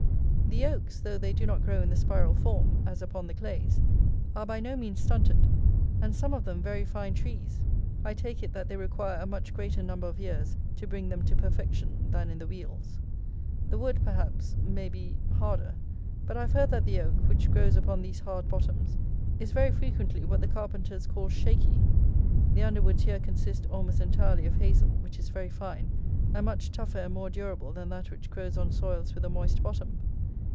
The oaks, though they do not grow in the spiral form, as upon the clays, are by no means stunted; and some of them very fine trees; I take it that they require a much greater number of years to bring them to perfection than in the Wealds. The wood, perhaps, may be harder; but I have heard that the oak, which grows upon these hard bottoms, is very frequently what the carpenters call shaky. The underwoods here consist, almost entirely, of hazle, which is very fine, and much tougher and more durable than that which grows on soils with a moist bottom.